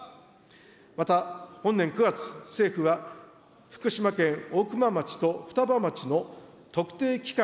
また本年９月、政府は福島県大熊町と双葉町の特定期間